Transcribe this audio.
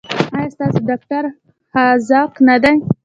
ایا ستاسو ډاکټر حاذق نه دی؟